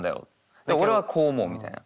で「俺はこう思う」みたいな。